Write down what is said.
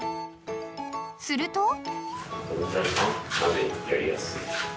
［すると］